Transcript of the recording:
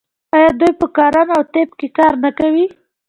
آیا دوی په کرنه او طب کې کار نه کوي؟